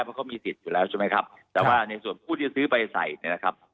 เพราะเขามีสิทธิ์อยู่แล้วใช่ไหมครับแต่ว่าในส่วนผู้ที่ซื้อไปใส่เนี่ยนะครับ